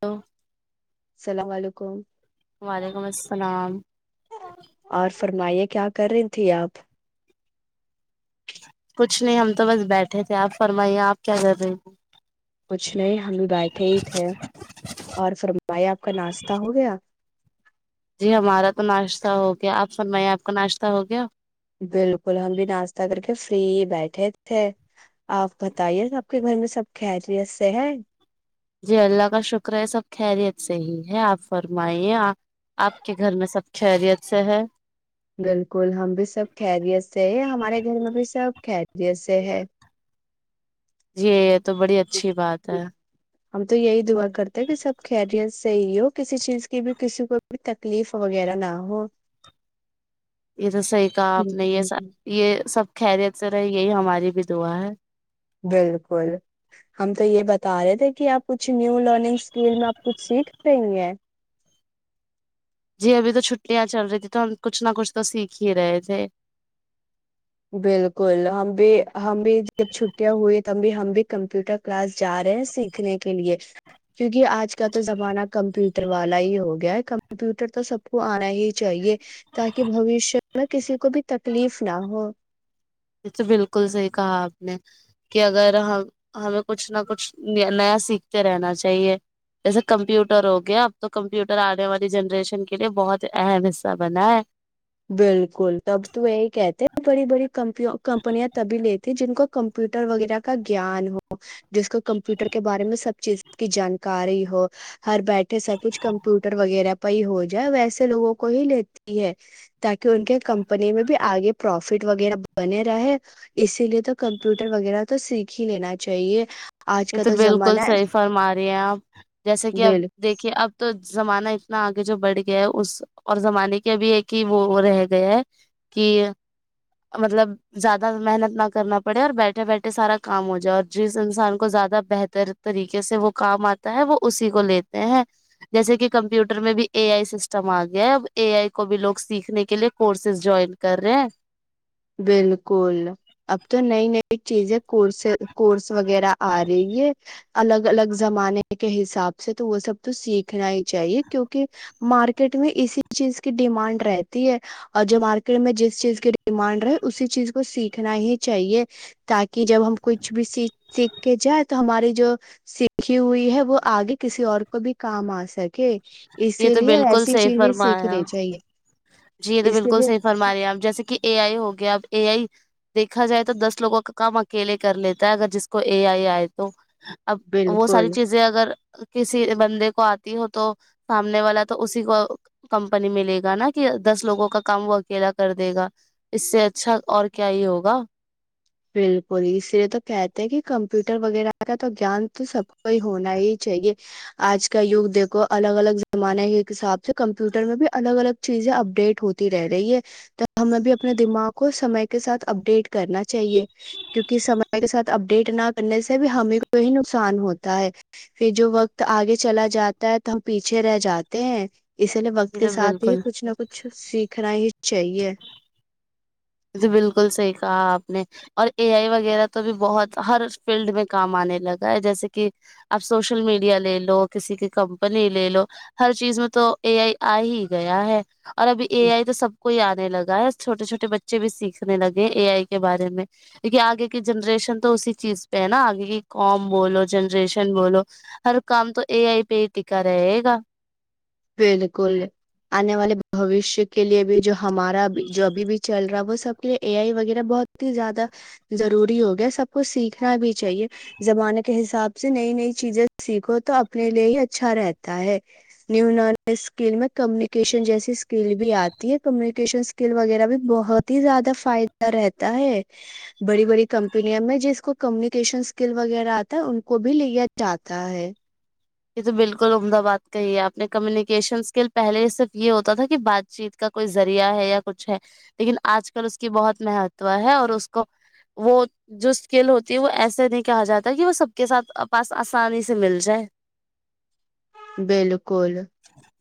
تو السلام علیکم وعلیکم السلام اور فرمائیے کیا کر رہی تھی آپ کچھ نہیں ہم تو بس بیٹھے تھے آپ فرمائیے آپ کیا کر رہے تھھی کچھ نہیں ہم بھی بیٹھے ہی تھے اور فرمیا آپ کا ناشتہ ہو گیا جی ہمارا تو ناشتہ ہو گیا آپ فرمائیے آپ کا ناشتہ ہو گیا بالکل ہم بھی ناشتہ کر کے فری بیٹھے تھے آپ بتائیے آپ کے گھر میں سب خیریت سے ہے جی اللہ کا شکر ہے سب خیریت سے ہی ہے آپ فرمائیے آپ کے گھر میں سب خیریت سے ہے بالکل ہم بھی سب خریت سے ہے ہمارے گھر میں بھی سب خیریت سے ہے ج تو بڑی اچھی بات ہے ہم تو یہی دعا کرتے کہ سب خہرییاں صحیح ہو کسی چیز کی بھی کسی کو بھی تکلیف وغیرہ نہ ہو یہ تو صحیح کہا آپ نے یہ سب یہ سب خیریت سے رہی یہی ہماری بھی دعا ہے بالکل ہم تو یہ بتا رہے تھے کہ آپ کچھ نیو لرننگ اسکیل میں آپ کچھ سیکھ رہی ہیں جی ابھی تو چھٹیاں چل رہی تھھی تو ہم کچھ نہ کچھ تو سیکھ ہی رہے تھے بالکل ہم بھی ہم بھی جب چھٹیاں ہوئی تو بھی ہم بھی کمپیوٹر کلاس جا رہے ہیں سیکھنے کے لیے کیونکہ آج کا تو زمانہ کمپیوٹر والا ہی ہو گیا ہے کمپیوٹر تو سب کو آنا ہی چاہیے تاکہ بوشیہ میں کسی کو بھی تکلیف نہ ہو یہ تو بالکل صحیح کہا آپ نے کہ اگر ہم ہمیں کچھ نہ کچھ نیا سیکھتے رہنا چاہیے جیسے کمپیوٹر ہو گیا اب تو کمپیوٹر آنے والی جنریشن کے لیے بہت ہی اہم حصہ بنا ہے بالکل تب تو یہی کہتے ہیں بڑی بڑی کمی کمپنیاں تبھی لیتی جن کو کمپیوٹر وغیرہ کا گان ہو جس کو کمپیوٹر کے بارے میں سب چیز کی جانکاری ہو ہر بیٹھے سا کچ کمپیوٹر وغیرہ پی ہو جائے ویسے لوگوں کو ہی لیتی ہے تاکہ ان کے کمپنی میں بھی آگے پروفٹ وغیرہ بنے رہاے اسی لیے تو کمپیوٹر وغیرہ تو سیکھ ہی لینا چاہیے آج یہ کا تو بالکل زمانہ ہے صحیح فرما رہی ہیں آپ جیسا کہ اب بل دیکھیے اب تو زمانہ اتنا آگے جو بڑھ گیا ہے اس اور زمانے کے ابھی ایک ہی وہ رہ گیا ہے کہ مطلب زیادہ محنت نہ کرنا پڑے اور بیٹھے بیٹھے سارا کام ہو جائے اور جس انسان کو زیادہ بہتر طریقے سے وہ کام آتا ہے وہ اسی کو لیتے ہیں جیسے کہ کمپیوٹر میں بھی اے آئی سسٹم آ گیا ہے اب اے آئی کو بھی لوگ سیکھنے کے لیے کورسز جوائن کر رہے ہیں بالکل اب تو نئی نئی چیزیں کورس کورس وغیرہ آ رہی ہے الگ الگ زمانے کے حساب سے تو وہ سب تو سیکھنا ہی چاہیے کیونکہ مارکیٹ میں اسی چیز کی ڈیمانڈ رہتی ہے اور جو مارکیٹ میں جس چیز کی ڈیمانڈ اسی چیز کو سیکھنا ہی چاہیے تاکہ جب ہم کچھ بھی س سیکھ کے جائ تو ہماری جو سیکھی ہوئی ہے وہ آگے کسی اور کو بھی کام آ سکے یہ اسی تو لیے بالکل ایسی صحیح چیزیں فرمایا سیکھنی چاہیے جی یہ تو اسی بالکل لیے صحیح فرما رہیا آپ جیسے کہ اے آئی ہوگی اب اے آئی دیکھا جائے تو دس لوگوں کا کام اکیلے کر لیتا ہے اگر جس کو اے آئی آئے تو اب وہ ساری بالکل چیزیں اگر کسی بندے کو آتی ہو تو سامنے والا تو اسی کو کمپنی ملے گا نا کہ دس لوگوں کا کام وہ اکیلا کر دے گا اس سے اچھا اور کیا ہی ہوگا بالکل اس لیے تو کہتے ہیں کہ کمپیوٹر وغیرہ کا تو گان تو سب کو ہی ہونا ہی چاہیے آج کا یگ دیکھو الگ الگ زمانے کے حساب سے کمپیوٹر میں بھی الگ الگ چیزیں اپڈیٹ ہوتی رہ رہی ہے تو ہمیں بھی اپنے دماغ کو سمے کے ساتھ اپڈیٹ کرنا چاہیے کیونکہ سمے کے ساتھ اپڈیٹ نہ کرنے سے بھی ہمیںی نقصان ہوتا ہے پھر جو وقت آگے چلا جاتا ہے تو ہم پیچھے رہ جاتے ہیں اسی لیے وقت یہ کے تو ساتھ ہی بالکل کچھ نہ کچھ سیکھنا ہی چاہیے جی بالکل صحیح کہا آپ نے اور اے آئی وغیرہ تو بھی بہت ہر فیلڈ میں کام آنے لگا ہے جیسے کہ آپ سوشل میڈیا لے لو کسی کی کمپنی لے لو ہر چیز میں تو اے آئی آ ہی گیا ہے اور ابھی اے آئی تو سب کو ہی آنے لگ گسھوے چھٹے بچے بچے بھی سیکھنے لگے اے آئی کے بارے میں کیہ آگے کی جنریشن تو اسی چیز پہ ہے نا آگے کی کام بولو جنریشن بولو ہر کام تو اے آئی پہ ہی ٹکا رہے گا بالکل آنے والے بوشیہ کے لیے بھی جو ہمارا جو اب بھی چل رہا ہے وہ سب کے لیے اے آئی وغیرہ بہت ہی زیادہ ضروری ہو گیا سب کو سیکھنا بھی چاہیے زمانے کے حساب سے نئی نئی چیزیں سیکھو تو اپنے لیے ہی اچھا رہتا ہے نیو نالج اسکل میں کمیونکیشن جیسی اسکل بھی آتی ہے کمیونکیشن اسکل وغیرہ بھی بہت ہی زیادہ فائدہ رہتا ہے بڑی بڑی کمپنیا میں جس کو کمیونکیشن اسکل وغیرہ آتا ہے ان کو بھی لیا جاتا ہے یہ تو بالکل عمدہ باد کا ہی ہے اپنے کمیونیکیشن اسکل پہلے صرف یہ ہوتا تھا کہ بات چیت کا کوئی ذریعہ ہے یا کچھ ہے لیکن آج کل اس کی بہت مہتو ہے اور اس کو وہ جو اسکل ہوتی ہے وہ ایسے نہیں کہا جاتا کہ وہ سب کے ساتھ پاس آسانی سے مل جائے بالکل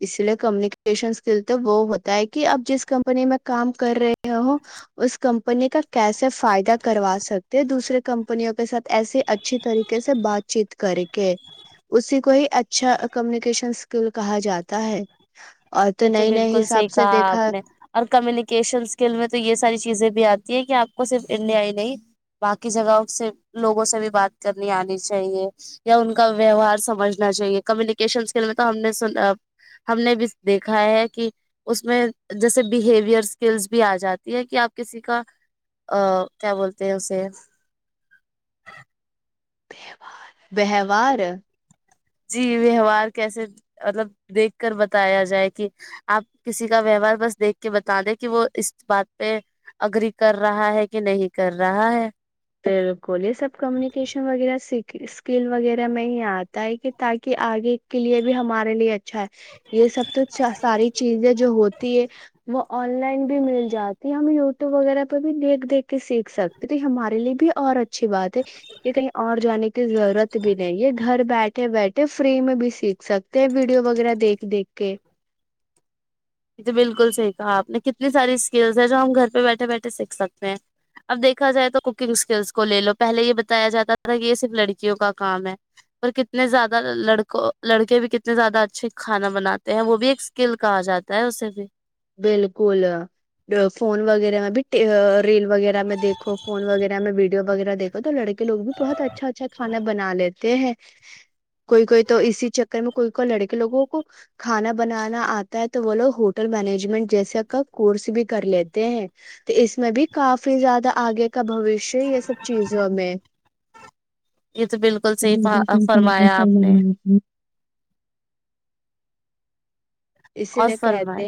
اس لیے کم یشن اسکل تو وہ ہوتا ہے کہ اب جس کمپنی میں کام کر رہے اس کمپنی بنے کا کیسے فائدہ کروا سکتے ہیں دوسرے کمپنیوں کے ساتھ ایسی اچھی طریقے سے بات چیت کر کے اسی کو ہی اچھا کمیونکیشن اسکل کہا جاتا ہے اور یہ تو نئے نئے بالکل صحیح حساب سے کہا آپ دیکھا نے اور کمیونیکیشن اسکل میں تو یہ ساری چیزیں بھی آتی کہ آپ کو صرف انڈیا ہی نہیں باقی جگہوں سے لوگوں سے بھی بات کرنی آنی چاہیے یا ان کا ویوہار سمجھنا چاہیے کمیونکیشن اسکل میں تو ہم نے س ہم نے بھی دیکھا ہے کہ اس میں جیسے بہیوئر اسکلس بھی آ جاتی ہے کہ آپ کسی کا ا کیا بولتے ہیں اسے وووار جی ویوہار کیسے مطلب دیکھ کر بتایا جائے کہ آپ کسی کا ویوہار بس دیکھ کے بتا دیں کہ وہ اس بات پہ اگری کر رہا ہے کہ نہیں کر رہا ہے بالکل یہ سب کمیونیکیشن وغیرہ اسکل وغیرہ میں ہی آتا ہے کہ تاکہ آگے کے لیے بھی ہمارے لیے اچھا ہے یہ سب تو ساری چیزیں جو ہوتی ہے وہ آن لائن بھی مل جاتی ہے ہم یوٹیوب وغیرہ پہ بھی دیکھ دیکھ کے سیکھ سکتے تو ہم ارے لیے بھی اور اچھی بات ہے کہ کہیں اور جانے کی ضرورت بھی نہیں ہے گھر بیٹھے بیٹھے فری میں بھی سیکھ سکتے ہیں ویڈیو وغیرہ دیکھ دیکھ کے یہ تو بالکل صحیح کہا آپ نے کتنی ساری اسکلس ہے جو ہم گھر پہ بیٹھے بیٹھے سیکھ سکتے ہیں اب دیکھا جائے تو کوکنگ اسکلس کو لے لو پہلے یہ بتایا جاتا تھا کہ یہ صرف لڑکیوں کا کام ہے اور کتنے زیادہ لڑکوں لڑکے بھی کتنے زیادہ اچھے کھانا بناتے ہیں وہ بھی ایک اسکل کہا جاتا ت اسے بھی بالکل فون وغیرہ میں بھی ریل وغیرہ میں دیکو فون وغیرہ میں ویو وغیر دیکو تو لڑے کے لو بھی بہت اچھا اچھا کھا بناےتے ہیں کوئی کوئی تو اسی چکر میں کوئی کوئی لڑکے لوگوں کو کھانا بنانا آتا ہے تو وہ لو ہوٹل مینج جیس کس بھی کر لیتے ہیں تو اس میں بھی کافی زیادہ آگے کا بوشیہ یہ سب چیزوں میں یہ تو بالکل صحیح فرمایا آپ نے اللہ اسی اور لیے فرمایا کہتے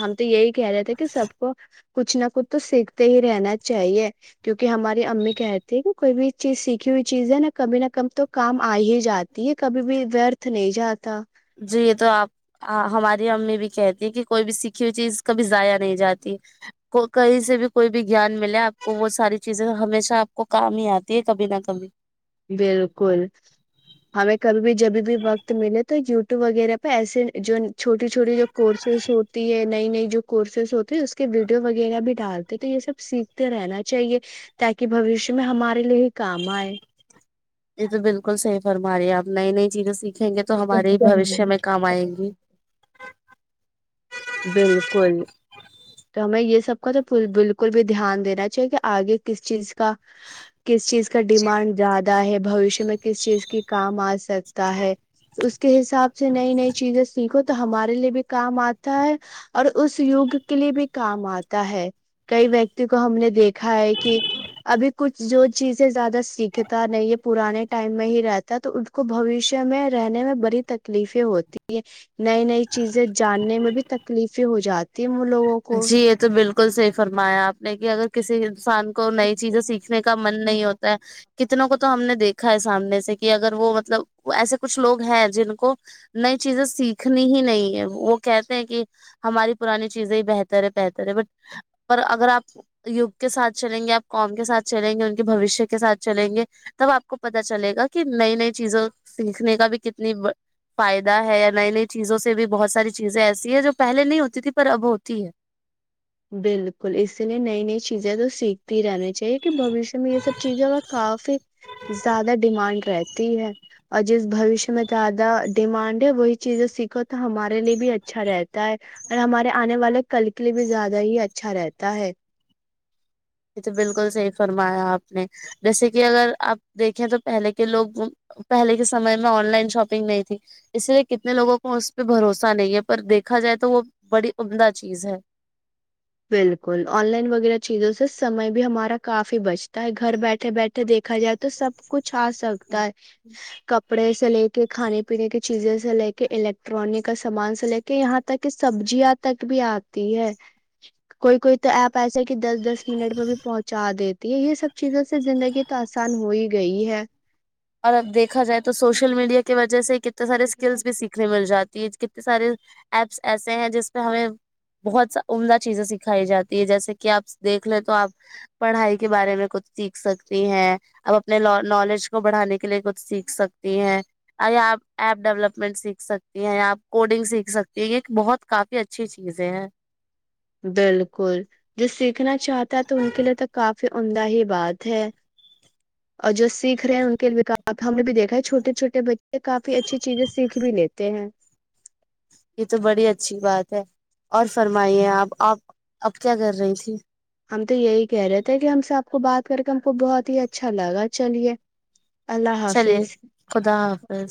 ہم تو یہی کہہ رہے تھے کہ سب کو کچھ نہ کچھ تو سیکھتے ہی رہنا چاہیے کیونکہ ہماری امی کہتی کہ کوئی بھی چیز سیکھی ہوئی چیز ہے نا کبھی نہ کب تو کام آ ہی جاتی ہے کبھی بھی ورتھ نہیں جاتا جی یہ تو آپ ہماری امی بھی کہتی ہیں کہ کوئی بھی سیککھی ہوئی چیز کبھی ضائیا نہیں جاتی کہیں سے بھی کوئی بھی گیان ملے آپ کو وہ ساری چیزیں ہمیشہ آپ کو کام ہی آتی ہے کبھی نہ کبھی بالکل ہمیں کبھی بھی جبھی بھی وقت ملے تو یوٹیوب وغیرہ پہ ایسے جو چھوٹی چھوٹی جو کورسز ہوتی ہے نئی نئی جو کورسز ہوتی ہے اس کے ویڈیو وغیرہ بھی ڈالتے تو یہ سب سیکھتے رہنا چاہیے تاکہ بوشیہ میں ہمارے لیے ہی کام آئے یہ تو بالکل صی فرماری ہے آپ نئی نئی چیزیں سیکھ دکھیں گے تو ہمارے ہی بوشیہ میں کام آئیں گی بالکل تو ہمیں یہ سب کا تو بالکل بھی دھیان دینا چاہیے کہ آگے کس چیز کا کس چیز کا ڈیمانڈ زیادہ ہے بھشیہ میں کس چیز کی کام آج سکتا ہے اس کے حساب سے نئی نئی چیزیں سیکھو تو ہمارے لیے بھی کام آ اور اس یگ کے لیے بھی کام آتا ہے کئی ویکتی کو ہم نے دیکھا ہے کہ ابھی کچھ جو چیزیں زیادہ سیکھتا نہیں یہ پرانے ٹائم میں ہی رہتا ہے تو اس کو بوشیہ میں رہنے میں بڑی تکلیفیں ہوتی ہے نئی نئی چیزیں جاننے میں تکلیفیں ہو جاتی ہیں لوگوں کو جی یہ تو بالکل صحی فرمایا آپ نے کہ اگر کسی انسان کو نئی چیزیں سیکھنے کا من جی نہیں ہوتا ہے کتنوں کو تو ہم نے دیکھا ہے سامنے سے کہ اگر وہ مطلب ایسے کچھ لوگ ہیں جن کو نئی چیزیں سیکھنی ہی نہیں ہے وہ کہتے ہیں کہ ہماری پرانی چیزیں بتر ہے بہتر ہے ب اور اگر آپ یگ کے ساتھ چلیں گے آپ کام کے ساتھ چلیں گے ان کے بوشیہ کے ساتھ چلیں گے تب آپ کو پتہ چلے گا کہ نئی نئی چیزوں سیکھنے کا بھی کتنی فائدہ ہے یا نئی نئی چیزوں سے بھی بہت ساری چیزیں ایسی ہے جو پہلے نہیں ہوتی تھی پر اب ہو ت ہے [inaudible] بالکل اسی لیے نئی نئی چیزیں تو سیکھتی رہنی چاہیے کہ بوشیہ میں یہ سب چیزوں کا کافی زیادہ ڈیمانڈ رہتی ہے اور جس بوشیہ میں زیادہ ڈیمانڈ ہے وہی چیزیں سیکھو تو ہمارے لیے بھی اچھا رہتا ہے اور ہمارے آنے والے کل کے لیے بھی زیادہ ہی اچھا رہتا ہے یہ تو بالکل صحیح فرمایا آپ نے جیسے کہ اگر آپ دیکھیں تو پہلے کے لوگ پہلے کے سمے میں آن لائن شاپنگ نہیں تھی اسی لیے کتنے لوگوں کو اس پہ بھروسہ نہیں ہے پر دیکھا جائے تو وہ بڑی عمدہ چیز ہے بالکل آن لائن وغیرہ چیزوں سے سمے بھی ہمارا کافی بچتا ہے گھر بیٹھے بیٹھے دیکھا جائے تو سب کچھ آ سکتا ہے کپڑے سے لے کے کھانے پ پینے کی چیزیں سے لے کے الیکٹرانک کا سامان سے لے کے یہاں تک کہ سبزیاں تک بھی آتی ہے کوئی کوئی تو ایپ ایسا کہ دس دس منٹ میں بھی پہنچا دیتی ہے یہ سب چیزوں سے زندگی تو آسان ہو ہی گی گئی ہے اور اب دیکھا جائے تو سوشل میڈیا کی وجہ سے کتنے سارے اسکلس بھی سیکھنے مل جاتی ہے ک سارے ایپس ایسے ہیں جس پہ ہمیں بہت سا عمدہ چیزیں سکھائی جاتی ہے جیسے کہ آپ دیکھ لیں تو آپ پڑھائی کے بارے میں کچھ سیکھ سکتی ہیں آپ اپنے نالج کو بڑھانے کے لیے کچھ سیکھ سکتی ہیں یا آپ ایپ ڈیولپمنٹ سیکھ سکتی ہیں آپ کوڈنگ سیکھ سکتی ہیں یہ بہت کافی اچھی چیزیں ہیں بالکل جو سیکھنا چاہتا ہے تو ان کے لیے تو کافی انہ ہی بات ہے اور جو سیکھ رہے ہیں ان کے وکا اب ہم نے بھی دیکھا ہے چھوٹے چھوٹے بچے کافی اچھی چیزیں سیکھ بھی لیتے ہیں یہ تو بڑی اچھی بات ہے اور فرمائیے آپ آپ اب کیا کر رہی تھی ہم تو یہی کہہ رہے تھے کہ ہم سے آپ کو بات کر کے ہم کو بہت ہی اچھا لگا چلیے اللہ چلیے حافظ خدا حافظ